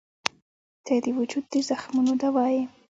• ته د وجود د زخمونو دوا یې.